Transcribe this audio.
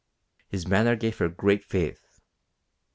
His manner gave her great faith.